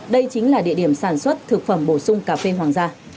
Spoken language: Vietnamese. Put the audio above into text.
đây chính là địa điểm sản xuất thực phẩm bổ sung cà phê hoàng gia